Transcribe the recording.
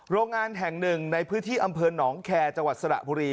โรงงานแห่งหนึ่งในพื้นที่อำเภอหนองแคร์จังหวัดสระบุรี